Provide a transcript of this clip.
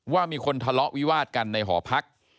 ว่ามีคนทะเลาะวิวาดกันในหอพัก